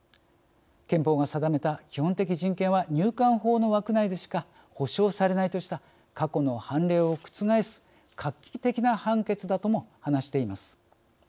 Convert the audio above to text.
憲法が定めた基本的人権は入管法の枠内でしか保障されないとした過去の判例を覆す画期的な判決だとも話しています。